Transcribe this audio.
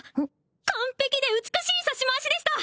完璧で美しい指し回しでした！